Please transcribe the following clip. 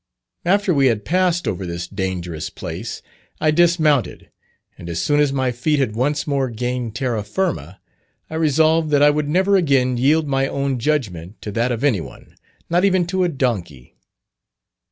After we had passed over this dangerous place, I dismounted, and as soon as my feet had once more gained terra firma, I resolved that I would never again yield my own judgment to that of any one, not even to a donkey.